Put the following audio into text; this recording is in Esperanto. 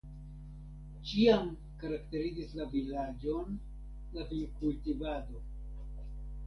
Ĉiam karakterizis la vilaĝon la vinkultivado.